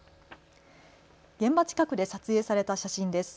現場近くで撮影された写真です。